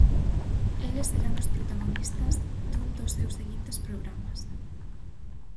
Eles serán os protagonistas dun dos seus seguintes programas.